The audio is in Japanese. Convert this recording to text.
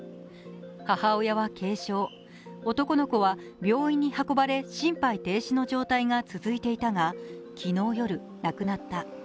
母親は軽傷、男の子は病院に運ばれ心肺停止の状態が続いていたが、昨日夜、亡くなった。